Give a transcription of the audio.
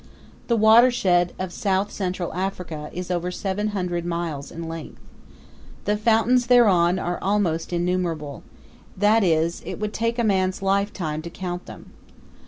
The watershed of South Central Africa is over seven hundred wiles in length. The fountains thereon are almost innumerable that is, it would take a man's lifetime to count them.